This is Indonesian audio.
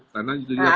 karena itu ya potensi